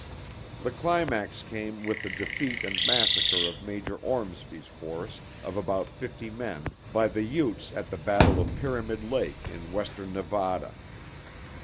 The climax came with the defeat and massacre of Major Ormsby's force of about fifty men by the Utes at the battle of Pyramid Lake in western Nevada.